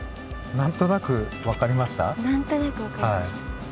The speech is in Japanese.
なんとなくわかりました！